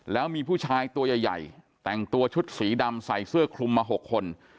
แล้วมีผู้ชายตัวใหญ่แต่งตัวชุดสีดำใส่เสื้อคลุมมา๖คน